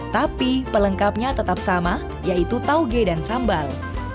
tapi pelengkapnya tetap sama yaitu tauge dan sambal